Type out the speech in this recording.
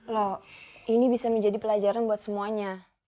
loh ini bisa menjadi pelajaran buat semuanya